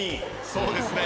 そうですね。